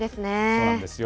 そうなんですよ。